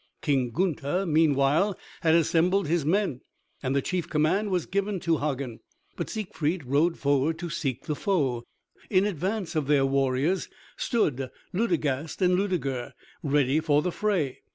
King Gunther meanwhile had assembled his men and the chief command was given to Hagen, but Siegfried rode forward to seek the foe. In advance of their warriors stood Ludegast and Ludeger ready for the fray.